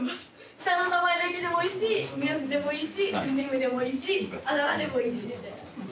下の名前だけでもいいし名字でもいいしペンネームでもいいしあだ名でもいいしですね。